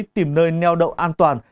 tìm nơi neo đậu an toàn